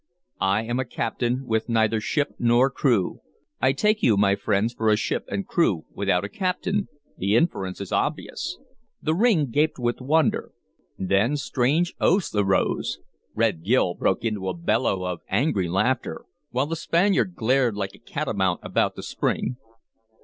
I am a captain with neither ship nor crew. I take you, my friends, for a ship and crew without a captain. The inference is obvious." The ring gaped with wonder, then strange oaths arose. Red Gil broke into a bellow of angry laughter, while the Spaniard glared like a catamount about to spring.